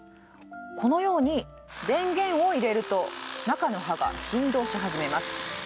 このように電源を入れると中の刃が振動し始めます。